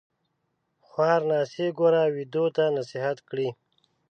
خوار ناصح ګوره ويدو تـــه نصيحت کړي